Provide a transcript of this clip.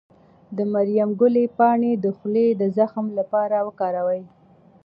د مریم ګلي پاڼې د خولې د زخم لپاره وکاروئ